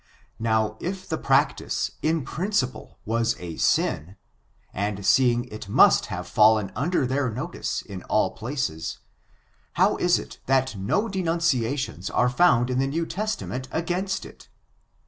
Now, if the practice, in principle, was a sin, and seeing it must have fallen under their notice in all places, how is it that no deunciations are found in the New Testament against it